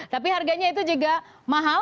tapi harganya itu juga mahal